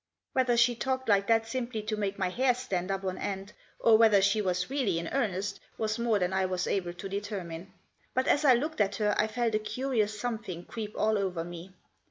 Whether she talked like that simply to make my hair stand up on end, or whether she was really in earnest, was more than I was able to determine. But as I looked at her I felt a curious something creep all over me.